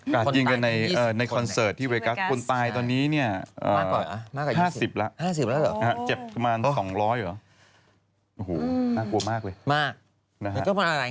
กราดยิงกันในเอ่อในคอนเซิร์ตที่เวกัสคนตายตอนนี้เนี่ยอ่ามากกว่าอ่ะ